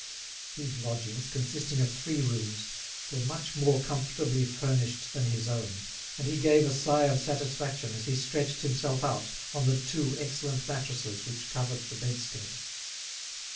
These lodgings, consisting of three rooms, were much more comfortably furnished than his own, and he gave a sigh of satisfaction as he stretched himself out on the two excellent mattresses which covered the bedstead.